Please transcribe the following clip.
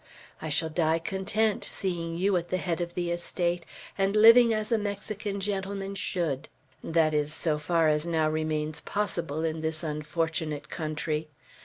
I shall die content, seeing you at the head of the estate, and living as a Mexican gentleman should; that is, so far as now remains possible in this unfortunate country.